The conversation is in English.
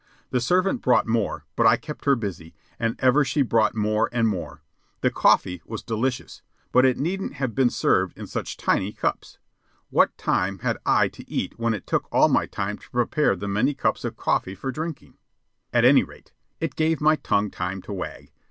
The servant brought more, but I kept her busy, and ever she brought more and more. The coffee was delicious, but it needn't have been served in such tiny cups. What time had I to eat when it took all my time to prepare the many cups of coffee for drinking? At any rate, it gave my tongue time to wag.